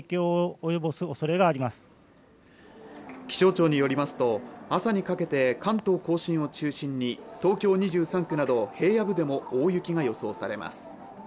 気象庁によりますと、朝にかけて関東甲信を中心に東京２３区など平野部でも大雪が予想されます。